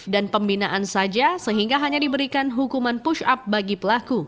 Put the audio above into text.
dan pembinaan saja sehingga hanya diberikan hukuman push up bagi pelaku